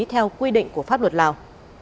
theo quy định của pháp luật lào